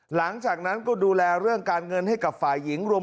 หลังจากนั้นก็ดูแลเรื่องการเงินให้กับฝ่ายหญิงรวม